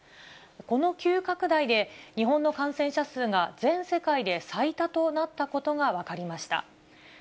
この急拡大で、日本の感染者数が全世界で最多となったことが分かりました。